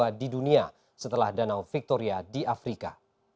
yang kedua di dunia setelah danau victoria di afrika